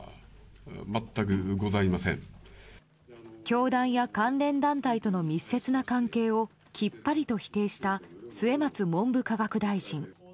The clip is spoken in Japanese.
教団や関連団体との密接な関係をきっぱりと否定した末松文部科学大臣。